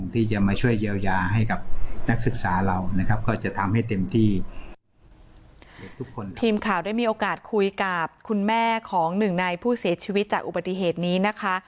ทีมข่าวได้มีโอกาสคุยกับคุณแม่ของหนึ่งในผู้เสียชีวิตจากอุบัติเหตุนี้นะคะ